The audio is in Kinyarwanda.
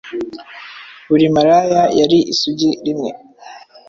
Buri maraya yari Isugi rimwe